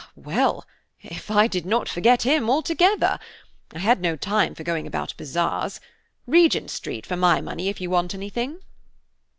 Well! if I did not forget him altogether–I had no time for going about bazaars. Regent Street for my money if you want anything."